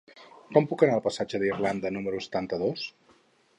Com puc anar al passatge d'Irlanda número setanta-dos?